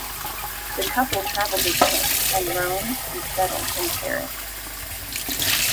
The couple traveled to Venice and Rome and settled in Paris.